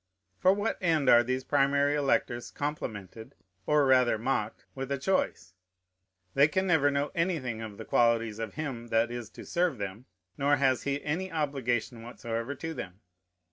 For what end are these primary electors complimented, or rather mocked, with a choice? They can never know anything of the qualities of him that is to serve them, nor has he any obligation whatsoever to them.